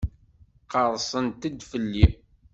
Qerrsent-d fell-i.